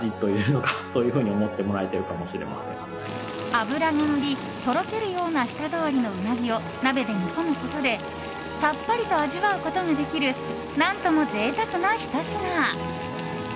脂がのりとろけるような舌触りのうなぎを鍋で煮込むことでさっぱりと味わうことができる何とも贅沢なひと品。